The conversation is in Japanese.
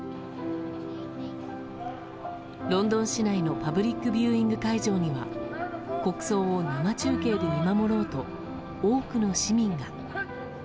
ロンドン市内のパブリックビューイング会場には国葬を生中継で見守ろうと多くの市民が。